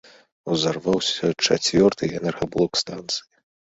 Узарваўся чацвёрты энергаблок станцыі.